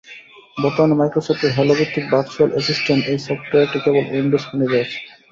বর্তমানে মাইক্রোসফটের হ্যালো ভিত্তিক ভারচুয়াল অ্যাসিসটেন্ট এই সফটওয়্যারটি কেবল উইন্ডোজ ফোনেই রয়েছে।